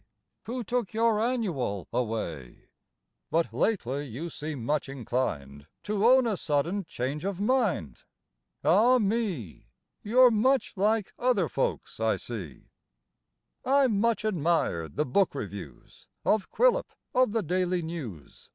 (Who took your Annual away,) But lately you seem much inclined To own a sudden change of mind. Ah, me, You're much like other folks, I see. I much admired the book reviews Of Quillip of the Daily News.